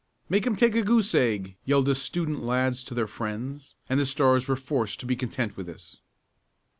"Make 'em take a goose egg!" yelled the student lads to their friends, and the Stars were forced to be content with this.